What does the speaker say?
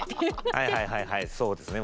はいはいはいはいそうですね。